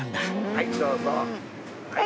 はいどうぞ。